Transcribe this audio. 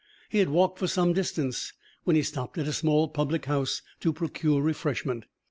He had walked for some distance, when he stopped at a small public house to procure refreshment.